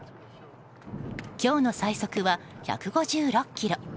今日の最速は１５６キロ。